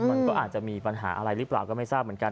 มันก็อาจจะมีปัญหาอะไรหรือเปล่าก็ไม่ทราบเหมือนกัน